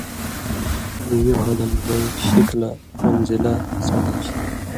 یون٘ہاں دن زَیں شکلہ (منزلہ) سن٘دہ چھی